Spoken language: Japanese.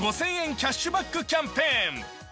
キャッシュバックキャンペーン。